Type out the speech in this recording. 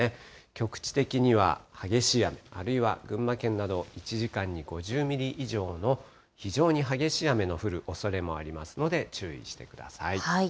局地的には激しい雨、あるいは群馬県など、１時間に５０ミリ以上の非常に激しい雨の降るおそれもありますので、注意してください。